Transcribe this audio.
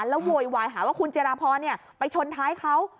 แล้วโวยวายหาว่าคุณจิราพรไปชนท้ายเขา